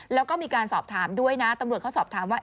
แล้วก็มีการสอบถามด้วยนะตำรวจเขาสอบถามว่า